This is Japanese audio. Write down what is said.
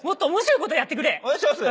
お願いします。